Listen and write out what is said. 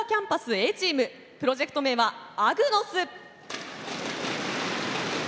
Ａチームプロジェクト名は「アグノス」。